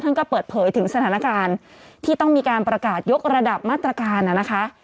ก็เปิดเผยถึงสถานการณ์ที่ต้องมีการประกาศยกระดับมาตรการนะคะ